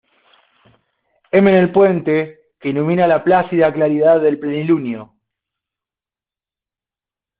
heme en el puente que ilumina la plácida claridad del plenilunio.